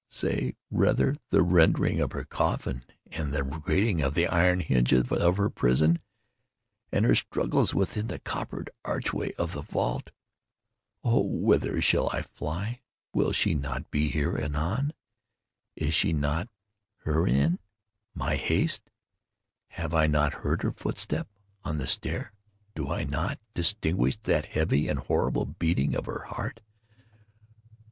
—say, rather, the rending of her coffin, and the grating of the iron hinges of her prison, and her struggles within the coppered archway of the vault! Oh whither shall I fly? Will she not be here anon? Is she not hurrying to upbraid me for my haste? Have I not heard her footstep on the stair? Do I not distinguish that heavy and horrible beating of her heart?